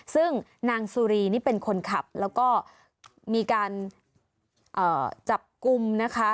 ซึ่งนางสุรีนี่เป็นคนขับแล้วก็มีการจับกลุ่มนะคะ